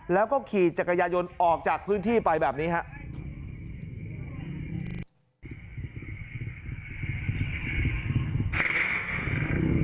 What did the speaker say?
แล้วก็ขี่จักรยายนต์ออกจากพื้นที่ไปแบบนี้ครับ